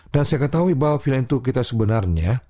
dan saya ketahui bahwa film itu kita sebenarnya